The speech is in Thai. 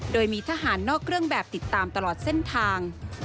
โดยมีทหารนอกเครื่องแบบติดตามตลอดเส้นทาง